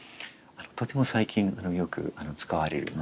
とても最近よく使われるものです。